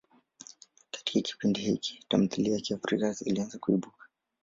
Katika kipindi hiki, tamthilia za Kiafrika zilianza kuibuka.